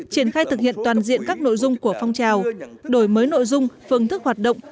triển khai thực hiện toàn diện các nội dung của phong trào đổi mới nội dung phương thức hoạt động